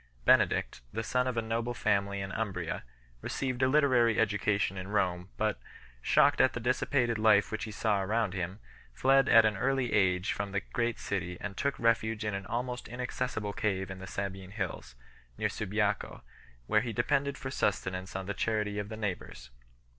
Benedict, the son of a noble family in Umbria, received a literary education in Rome, but, shocked at the dissipated life which he saw around him, fled at an early age from the great city and took refuge in an almost inaccessible cave in the Sabine hills, near Subiaco, where he depended for sustenance on the charity of the neighbours.